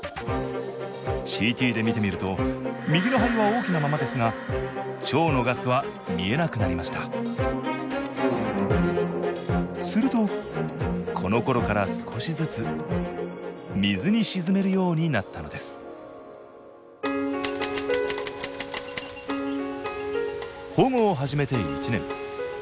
ＣＴで見てみると右の肺は大きなままですが腸のガスは見えなくなりましたするとこのころから少しずつ水に沈めるようになったのです保護を始めて１年。